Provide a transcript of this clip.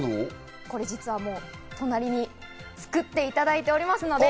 これ実は、もう隣に作っていただいておりますので。